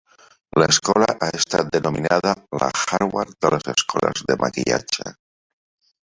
L'escola ha estat denominada "la Harvard de les escoles de maquillatge".